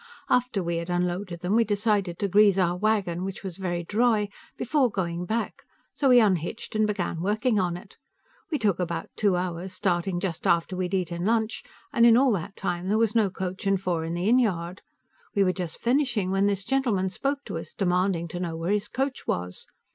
After we had unloaded them, we decided to grease our wagon, which was very dry, before going back, so we unhitched and began working on it. We took about two hours, starting just after we had eaten lunch, and in all that time, there was no coach and four in the inn yard. We were just finishing when this gentleman spoke to us, demanding to know where his coach was.